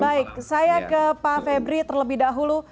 baik saya ke pak febri terlebih dahulu